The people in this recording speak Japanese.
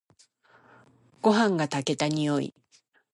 ごはんが炊けた匂い。